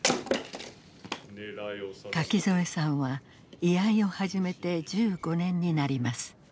垣添さんは居合を始めて１５年になります。